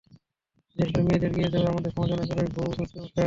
বিশেষ করে, মেয়েদের এগিয়ে যাওয়া দেখে আমাদের সমাজের অনেকেরই ভ্রু কুঁচকে ওঠে।